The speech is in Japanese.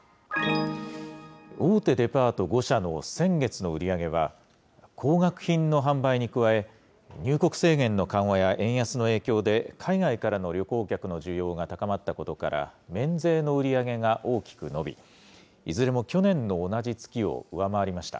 大手デパート５社の先月の売り上げは、高額品の販売に加え、入国制限の緩和や円安の影響で海外からの旅行客の需要が高まったことから、免税の売り上げが大きく伸び、いずれも去年の同じ月を上回りました。